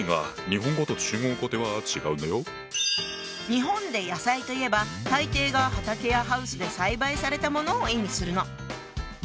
日本で「野菜」といえば大抵が畑やハウスで栽培されたものを意味するの。